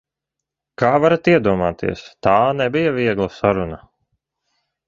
Kā varat iedomāties, tā nebija viegla saruna.